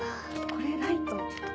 これライト？